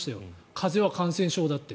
風邪は感染症だって。